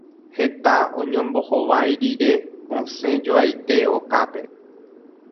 Heta oñombohovái rire, osẽjoaite okápe.